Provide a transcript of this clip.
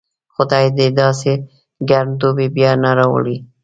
خدای دې داسې ګرم دوبی بیا نه راولي.